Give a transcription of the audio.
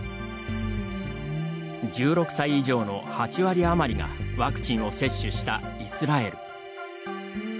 １６歳以上の８割余りがワクチンを接種したイスラエル。